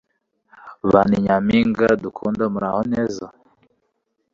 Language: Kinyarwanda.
Ba Ni Nyampinga dukunda muraho neza?